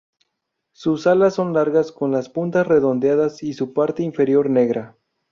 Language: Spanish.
Sus alas son largas con las puntas redondeadas y su parte inferior negra.